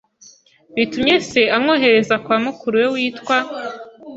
bitumye se amwohereza kwa mukuru we witwa